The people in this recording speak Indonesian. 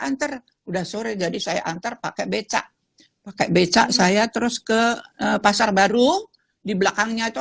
antar udah sore jadi saya antar pakai becak pakai becak saya terus ke pasar baru di belakangnya itu